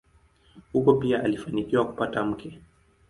Huko pia alifanikiwa kupata mke.